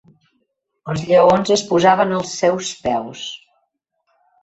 Els lleons es posaven als seus peus.